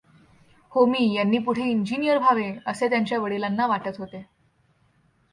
होमी यांनी पुढे इंजिनियर व्हावे असे त्यांच्या वडिलांना वाटत होते.